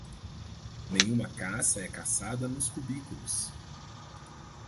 Nenhuma caça é caçada nos cubículos!